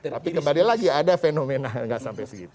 tapi kembali lagi ada fenomena nggak sampai segitu